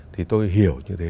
thì tôi hiểu như thế